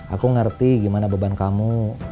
aku ngerti gimana beban kamu